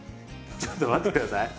ちょっと待って下さい。